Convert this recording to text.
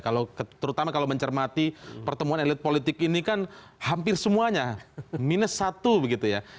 kalau terutama kalau mencermati pertemuan elit politik ini kan hampir semuanya minus satu begitu ya